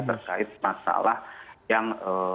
terkait masalah yang